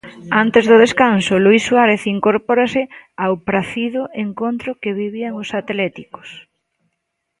Antes do descanso, Luís Suárez incorpórase ao pracido encontro que vivían os atléticos.